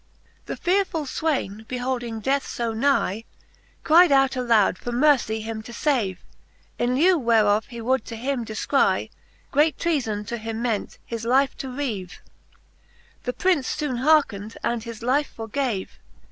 The fearefuU fwayne, beholding death fo nie, Cryde out aloud for mercie him to fave ; In lieu whereof, he would to him dcfcrie Great treafon to him meant, his life to reave. The Prince foone hearkned, and his life forgave.